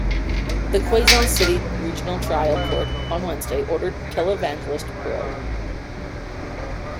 The Quezon City Regional Trial Court on Wednesday ordered televangelist Bro.